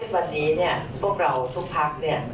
วันนี้พวกเราทุกภักดิ์